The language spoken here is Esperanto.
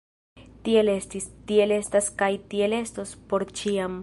Tiel estis, tiel estas kaj tiel estos por ĉiam!